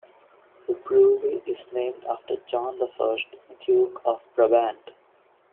The brewery is named after John the First, Duke of Brabant.